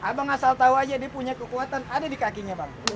abang asal tahu aja dia punya kekuatan ada di kakinya bang